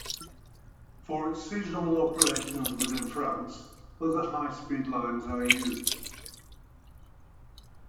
For its seasonal operations within France, other high-speed lines are used.